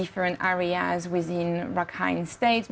dari area regi yang berbeda di rahim state